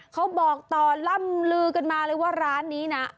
เขาบอกต่อล่ำลือกันมาเลยว่าร้านนี้นะ